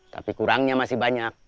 tapi kurangnya masih banyak